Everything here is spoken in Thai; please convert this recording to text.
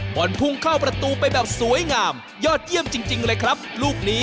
บอลพุ่งเข้าประตูไปแบบสวยงามยอดเยี่ยมจริงเลยครับลูกนี้